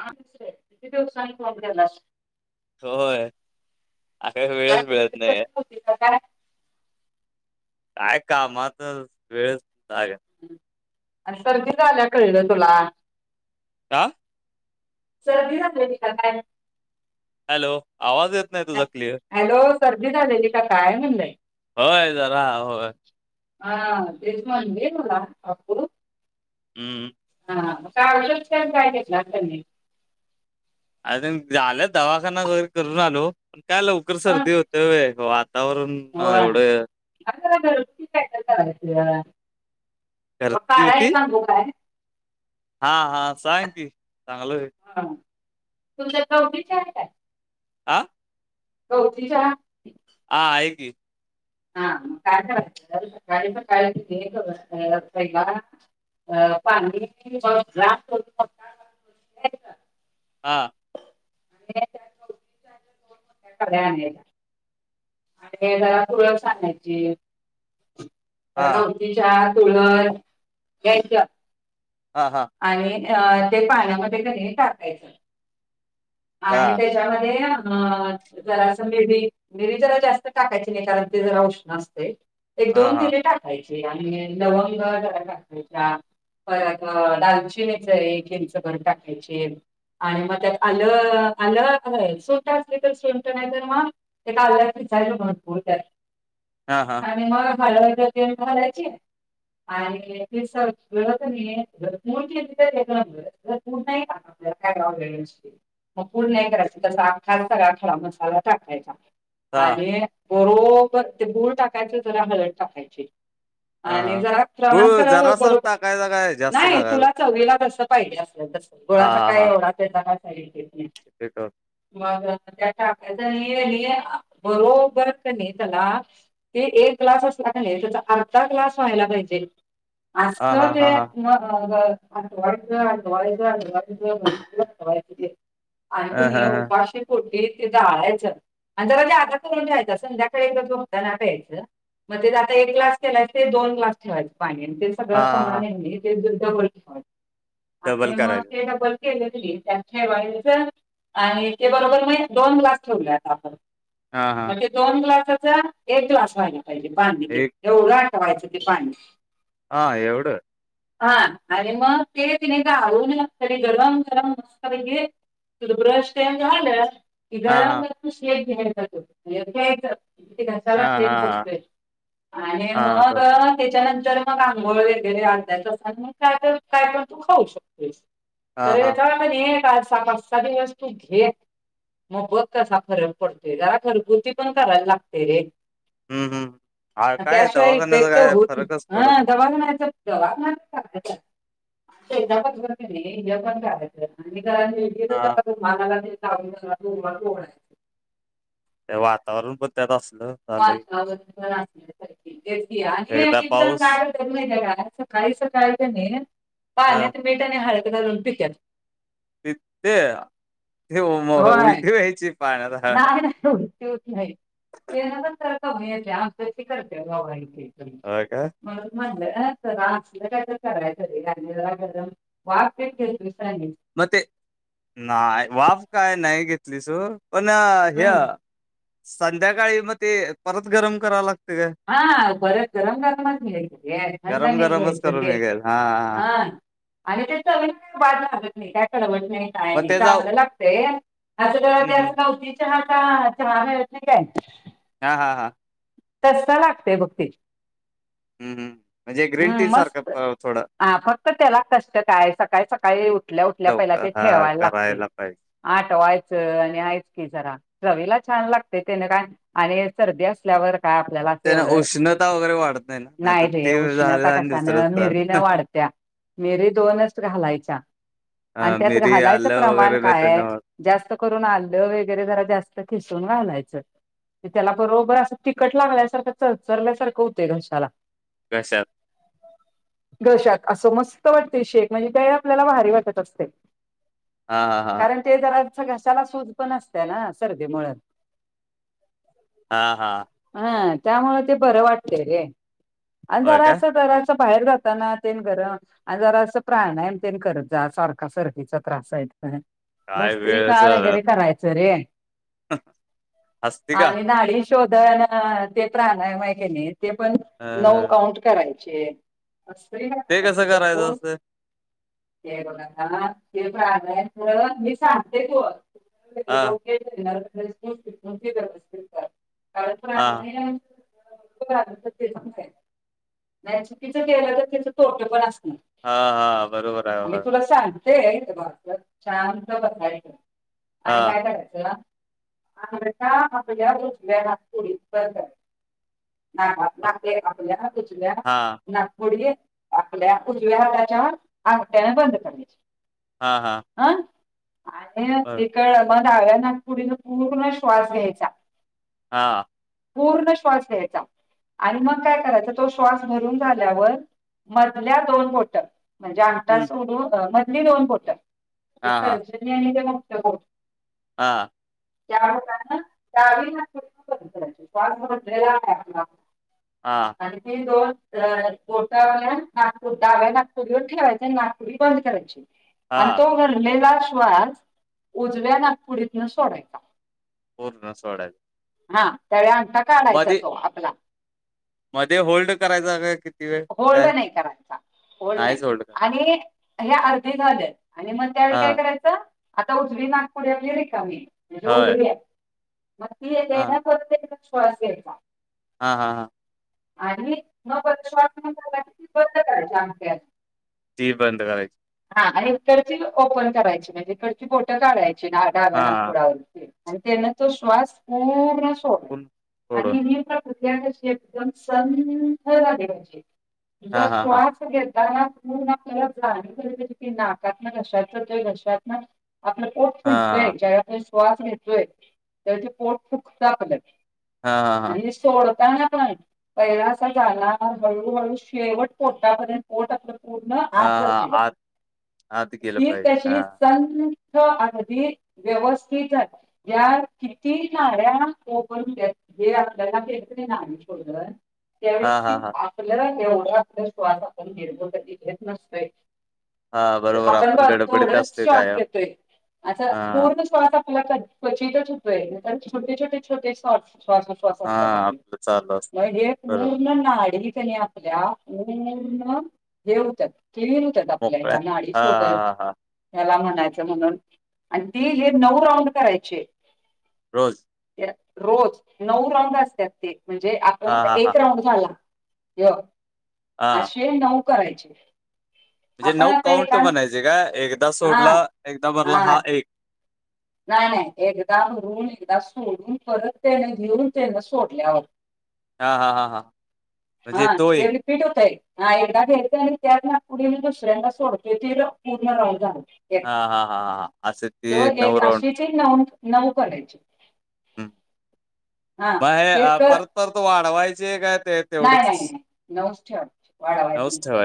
असू दे किती दिवसांनी कॉल केलास. होय आता काय वेळच मिळत तब्येत बरी नाही. नव्हती का काय? काय कामात वेळच आणि सर्दी झाल्यावर कळलं तुला. काय [unintelligible] सर्दी झालीय तिला काय. हॅलो, आवाज येत नाही तुझा क्लिअर. हॅलो सर्दी झालेली का काय म्हणलं. होय जरा होय. हा तेच म्हणली मला अप्पू. हम्म. हा म काजचं [unintelligible] काय घेतलात कि नाही अजून झालं दवाखाना वगैरे करून आलो पण काय लवकर सर्दी हो तंय होय वातावरण अ, हो एवढं म घरती काढाय होती सांगू काय हा हा सांग की चांगल होय हा तुमच्यात गवती चहा आहे काय आ गवती चहा हा आहे कि हा म काय करायचं सकाळी सकाळी कनी [unintelligible] पहिला [unintelligible] हां आणि त्यात गवती चहा [unintelligible] आणि जरा तुळस आणायची जरा हा गवती ती चहा तुळस घ्यायच्या हा हा आणि ते पाण्यामध्ये कनी टाकायचं आणि हा हा त्याच्यामध्ये अ जरास मिरी मिरी जरा जास्त टाकायची नाही कारण ते जरा उष्ण असतंय एक हा दोन मिरी टाकायची आणि लवंग जरा टाकायच्या परत दालचिनीच एक इंच भर टाकायची आणि मग त्यात पा आलं आलं हे सुंट असली तर सुंट नाही तर मग ते घालायचं ठेचायचं भरपूर त्यात हा हा आणि मग [unintelligible] घालायची आणि ते सगळं कनी [unintelligible] पूड नाही टाकायची आपल्याला काय ओ ह्यो विषय मग पूड नाही करायची तस आखाचं सगळा खडा मसाला टाकायचा हा आणि बरोबर ते गूळ टाकायच जरा हळद टाकायची हा हा आणि जरा प्रमाण गुळ सगळं जरासाच बरोबर टाकायचा काय जास्त नाही टाकायचा तुला चवीला जसं पाहिजे असेल तसं गुळाचा काय एवढा त्याचा काय साईड इफेक्ट नाही ते का मग आता त्यात टाकायचा कनी बरोबर कनी त्याला ते एक ग्लास असला क नाही त्याचा अर्धा ग्लास व्हायला पाहिजे असं हा ते हा हा मग ग आटवायच आटवायच आटवायच नुसतं आटवायच ते आणि अ हा कनी हा उपाशी पोटी ते गाळायचं आणि जरा ते आताचं करून घ्यायचं संध्याकाळी झोपताना प्यायचं मग ते आता एक ग्लास केलायस ते दोन ग्लास ठेवायच पाणी आणि तेच सगळं हा हा प्रमाण आहे कनी ते डबल ठेवायचं डबल आणि म करायचं. ते डबल केल कनी त्यात ठेवायचं आणि ते बरोबर कनी दोन ग्लास ठेवल्यात आपण हा हा दोन ग्लासाचा एक ग्लास व्हाला पाहिजे पाणी ते एक एवढं आटवायचं ते पाणी हा एवढं हा आणि मग ते कनी गाळून तरी गरम गरम सगळं घे [unintelligible] कि हा हा गरम गरम खुीात हा घसालाे हा हा बसतोय आणि हा मग बर त्याच्यानंतर मग आंघोळ वगैर त्या्याच मग काय तर काय पण तू खाऊ शकतेोस हा हा खरे तर पण आ सग वस्तू घेत मग बघ कसा खऱ्या पडतोय जरा घरगुती पण करायला लागते रे हम्म हम्म हा काय त्याशिवाय दवाखान्याचा पेटो काय भूत फरकच पडत हं दवान म जयच पण हे पण करायचं आणि गेली काया हा ला तू मानाला ते वातावरण पण त्यात असलं. झालंय वातावरणले. आणि एकदा एकेक जण पाऊस काय म्हणतात माहितीये काय सकाळी सकाळी कणी अ पाण्यात मीठ आणि हळद घालून पित्यात त ते ते म होय उलटी व्हायची पाण्यात नाहीतूच तेबी हाय तेन पण कमी येते, आमच्या करते गं बाई होय का म्हटलं तरलं काय तर करायचरी आणिम वाट घेतो. स मग ते नाय वाफ काय नाही घेतली सो पण हे संध्याकाळी मग ते परत गरम कराव लागतं गं हा परत गरम करायला लागतं ते थंड काय गरम नाही गरमच घ्यायच करून ते हे घ्यायला हा. आणि त्या बाज लागतं नाही, काय कवडवट नाही. काय मग नाही त्याचा चांगलं लागतय असं हं, ते हं. कवती चहा का चहा मिळत नाही काय हा हा हा. तस लागतय बघ ते हम्म म्हणजे ग्रीन हम्म, टी सारखं मस्त थोडं हा फक्त त्याला कष्ट काय सकाळी सकाळी उठल्या उठल्या पहिला लवकर ते हां, ठेवायला लागतय. करायला पाहिजे. आठवायचं आणि आहेयच की जरा चवीला छान लागतय तेने काय आणि सर्दी असल्यावर काय आपल्याला असं त्यानं एवढं उष्णता वगैरे वाढत ना? नाही नाहीतर रे ते झालं उष्णता आणि दुसरंच कशानं मिरीन झालं. वाढत्या मिरी दोनच घालायच्या आणि हां, त्यात मिरी, घालायचं आलं प्रमाण वगैरे नाही काय आहे. त्यानं जास्त करून आलं वगैरे जरा जास्त खिसून घालायचं आणि त्याला बरोबर अस. तिखट लागल्यासारखं च चरल्यासारखं होत घशाला घश्यात घशात असं मस्त वाटते शेख म्हणजे का आपल्याला भारी वाटत असतय. हा हा हा. ते जराच घसाला सूज पण असत्यां ना सर्दीमुळे हां हां. हा त्यामुळे ते बरं वाटले रे, आणि होय जरा काय? अस ज असं बाहेर जाताना तेल गरम आणि जरा अस प्राणायम ते करत जा सारखा सर्दीचा त्रास आहे. ते काय बस्त्री वेळच का झाला. वगैरे करायचं रे. हसती का? आणि नाडी शोधत ते प्राणायम आहे की नी ते पण नऊ हं. काउंट करायचे अस का ते कराय कसं करायचं दररोज असते? ते बघा ना ते प्रणायाम कर ते मी सांगते तू हां, कार हां. नाही चुकीच केलं तर त्याचं तोटं पण असणार. हा हा बरोबर आहे. आणि होय. तुला सांगते आहे शांत बसायच आणि हां, काय करायचं. आ का मोच डी ना बा आप कच हां. नागपुडी आपल्या उजव्या हाताच्या आंगट्याने बंद करण्याची, हा हा. हं आणि त मग डाव्या नागपुरीन पूर्ण श्वास घ्यायचा. हां. पूर्ण श्वास घ्यायचा. आणि मग काय करायच, तो श्वास भरून झाल्यावर मधल्या दोन बोट, म्हणजे अंगठा हं. सोडून मधली दोन बोट म्हणजे हां, हां. तर्जनी आणि ते मधलं बोट हां त्या मानतात ना गावी ला स्स््य म [unintelligible] हां आणि ते दोन बोट्याल्या नागपूर डाव्या नागपुरीवर ठेवायच आणि नागपुरी बंद करायच आणि हां. तो घडलेला श्वास उजव्या नागपुरीतन सोडायचा पूर्ण सोडायचा हा त्यावे अता काढायचा तो आपला मध्येे होल्ड करायचा काय किती वेळ होल्ड काय नाही करायचा होल्ड नाही नाहीच कर आणि हे अर्धी झाले आणि मग त्यावेळी हा काय करायचं आता उजवी नागपुडी आपली रिकामी म्हणजे होय उघडी आहे मग ती येते हा ना परत एकदा श्वास घ्यायचा हा हा हा आणि म बंद श्वास घेऊन झाला की बंद करायची अंगात्यात ती बंद करराय हा इकडची ओपन करायची म्हणजे इकडची बोटं काढायची डाब्या हा नाकफुडावरती आणि त्यांना तो श्वास पूर्ण सोडला पुन आणि सोडून हे पण तल्या कशी एकदम संथ झाली हा तुझा हा हा श्वास घ त्या नाकपुडीतूनी आपल्याला जाणीवीती नाकातन घशातय तरी काही घशात ना आपलं पोट हा फुटतय ज्या आपला श्वास घेतोय त्या ते पोट फुकत आपल हा हा हा आणि सोडताना पण पहिलासा जाणार तोपर्यंत शेवट पोटा पर्यंत पोट आपलं पूर्ण आ हा आत हा जाती ना आत आत गेलं पाहिजे हा तीर्दशी सन तर अगदी व्यवस्थित झालं यात किती नाड्या ओपन होत्यात जे आपल्याला भेटले नाही तोवर त्यावेळी हा हा हा कित ल एवढा आप श्वास आपण निरखून कधी घेत नसतोय हा आप बरोबर आपण बघ गडबडीत थोडच असते श्वास कायम घेतोय असा हा पूर्ण पण आपल्याला् क्वचितच होतोय त्यांचे छोटे छोटे छोटे श्वासोच्छ्वास अस आज हा असता काही आपलं चालू असत मग हे बरोबर पूर्ण हे आडवे त्याने आपल्या पूर्ण हे होतात केवि आपल्या मोकळ्या ह नाडी हा हा शोधत हा हा हला म्हणायचं म्हणून आणि ती हे नऊ राऊंड करायची रोज रोज नऊ राऊंड असतात ते म्हणजे हा आपल्या तर हा हा एक राऊंड झाला य हा असे नऊ करायचे म्हणजे आपण नऊ आता काउंट एका बनायचे का एकदा हा सोडला एकदा भरला हा एक नाही नाही एकदा भरून एकदा सोडून परत त्याने घेऊन त्यांना सोडल्यावर हा हा हा हा म्हणजे हा क तो एक पीट होतय ह एकदा घेेत आणि त्याना पुढे मी दुसऱ्यांा सोडतेो त पूर्ण राहून झाल हा हा हा हा असं ते नऊ राऊं न नऊ करायची हा महे ते कर परत परत वाढवायचे काय ते नाही नाही तेवढंच नाही नवस्ते वा वाढावायचं नसते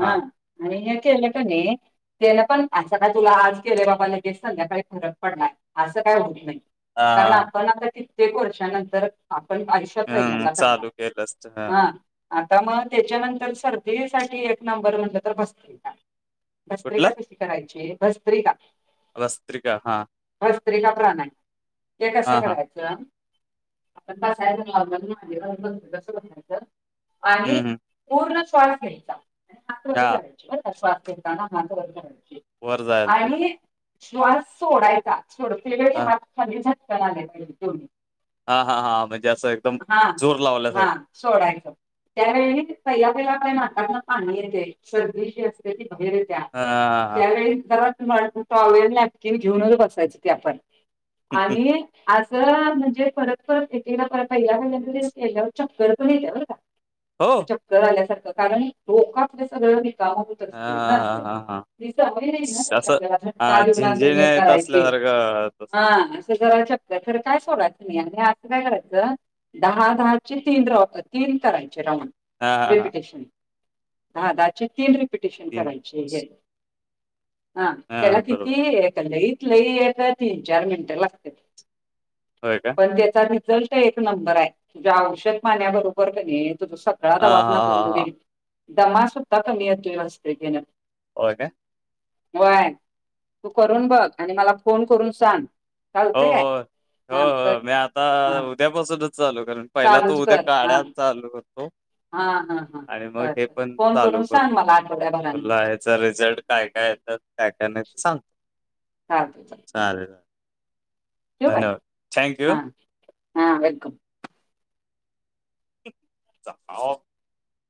हा आणि हे केले की नाही त्यान पण अचा का तुला आज केलं बाबा न घस संध्याकाळी फरक पडलाय असं काय होत नाही हा कारण हा आपण आता कित्येक वर्षानंतर आपण आयुष्यात पहिल्यांदा करणार ह हा आता मग त्याच्यानंतर सर्तीसाठी एक नंबर म्हणलं तर बसतील का भस्त्रिका कुठलं कशी करायची भस्त्रिका भस्त्रिका हा वस्त्री कापड आणायचं, ते कसं हा हा करायचं. आपण पसायदान घालून मांडी घालून बसतो तसं बसायचं. हम्म हम्म पूर्ण श्वास घ्यायचा, हात वर हा करायचे बर का? श्वास घेताना मान वर करायची. वर जायला पाहिजे आणि श्वास सोडायचा सोडते वळी हा हात खाली घ्यायच. [unintelligible] हा हा हा म्हणजे असं एकदम जोर लावल्यासारख सोद्यायच. त्यावेळी पहिला पहिला काय नाकात न पाणी येते सर्दी जी असते ती बाहेर येते. त्या हा हा हा त्यावेळी टॉवेल नॅपकिन घेऊनच बसायच ते आपण आणि असं म्हणजे परत परत एक एक दा पहिला पहिल्यांदा केल्यावर चक्कर पण येत बर का? हो चक्कर आल्यासारखं कारण डोक आपलं सगळं रिकाम होतंय. हा हा हा हा हा. ती चांगली नाही ना तसं असं आपल्याला हा कार्य झिंझिण्या येत करायची असल्यासारखं तसं. हा [unintelligible] दहा चे तीन करायचे राऊंड हा करायचे. हा हा रिपीटेशन रिपीटेशन तीन करायचं हे हा त्याला हा, किती बरोबर लई लई एक तीन, चार मिनिटं लागत्यात. हो का? त्याचा रिझल्ट एक नंबर आहे, तुझ्या औषध पाण्याबरोबर क नाय तू तुझा हा हा दवाखाना हा बंद हा होईल. दमा सुद्धा कमी येतोय असं केल्यावर. होय काय. होय तू करून बघ आणि मला फोन करून सांग. हो चालते काय हो हो हा तर हो मी आता हा उद्यापासूनच चालू कर पहिला तो चालूच उद्या कर हा काड्या चालू करतो. हा हा हा आणि मग हे चालतंय पण फोन चालू करून सांग मला आठवड्याभराने तुला ह्याचा रिझल्ट काय काय येतात काय काय नाही सांगतो. चालतंय. चालेल. धन्यवाद. Thank you thank you! वेलकम अहो.